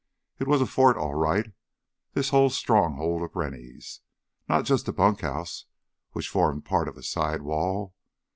It was a fort, all right, this whole stronghold of Rennie's—not just the bunkhouse which formed part of a side wall.